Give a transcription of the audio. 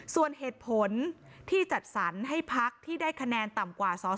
ส่วนเหตุผลที่จัดสรรให้พักที่ได้คะแนนต่ำกว่าสอสอ